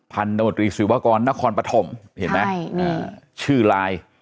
พันธนุษย์ตรีสิวากรนครปฐมเห็นไหมชื่อลาย